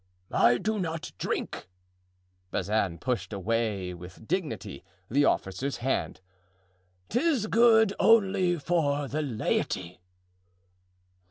"I do not drink"—Bazin pushed away with dignity the officer's hand—"'tis good only for the laity."